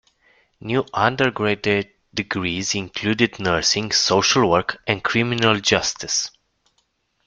New undergraduate degrees included nursing, social work, and criminal justice.